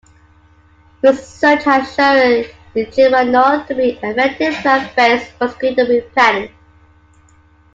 Research has shown geraniol to be an effective plant-based mosquito repellent.